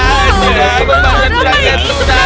pembaruan perangkat lunak